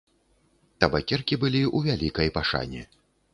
Табакеркі былі ў вялікай пашане.